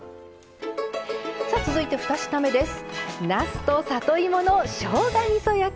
さあ続いて２品目です。